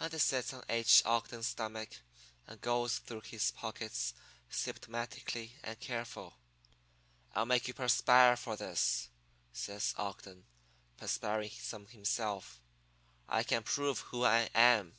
"And he sits on H. Ogden's stomach and goes through his pockets symptomatically and careful. "'I'll make you perspire for this,' says Ogden, perspiring some himself. 'I can prove who I am.'